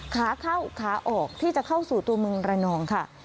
ขาเข้าขาออกที่จะเข้าสู่ตัวเมืองระนองค่ะ